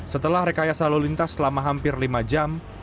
setelah rekayasa lalu lintas selama hampir lima jam